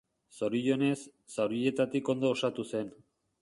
Zorionez, zaurietatik ondo osatu zen.